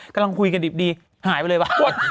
กำลังคุยกันดิบดีหายไปเลยป่ะ